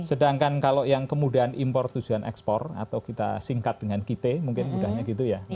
sedangkan kalau yang kemudahan impor tujuan ekspor atau kita singkat dengan kita mungkin mudahnya gitu ya